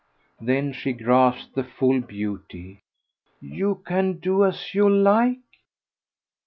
Then she grasped the full beauty. "You can do as you like?"